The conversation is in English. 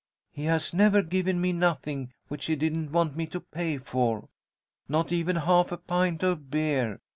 He has never given me nothing which he didn't want me to pay for, not even half a pint of beer.